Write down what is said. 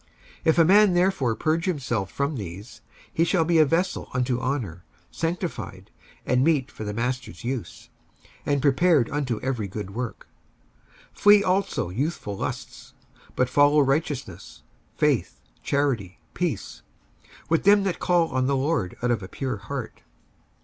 55:002:021 If a man therefore purge himself from these, he shall be a vessel unto honour, sanctified, and meet for the master's use, and prepared unto every good work. 55:002:022 Flee also youthful lusts: but follow righteousness, faith, charity, peace, with them that call on the Lord out of a pure heart.